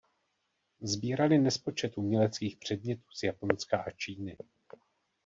Sbírali nespočet uměleckých předmětů z Japonska a Číny.